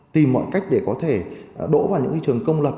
tìm mọi cách để có thể đổ vào những trường công lập